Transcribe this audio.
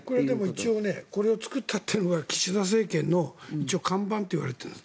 一応これを作ったということが岸田政権の看板といわれているんです。